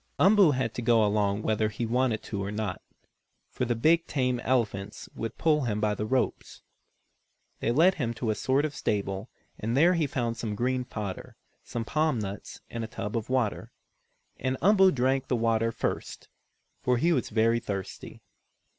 Umboo had to go along whether he wanted to or not, for the big, tame elephants would pull him by the ropes. They led him to a sort of stable, and there he found some green fodder, some palm nuts and a tub of water. And Umboo drank the water first, for he was very thirsty.